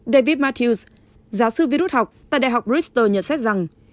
david matthews giáo sư virus học tại đại học reaster nhận xét rằng